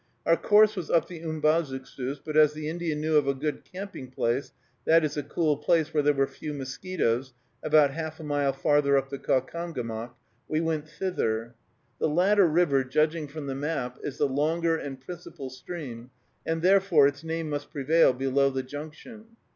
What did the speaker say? Our course was up the Umbazookskus, but as the Indian knew of a good camping place, that is, a cool place where there were few mosquitoes about half a mile farther up the Caucomgomoc, we went thither. The latter river, judging from the map, is the longer and principal stream, and, therefore, its name must prevail below the junction.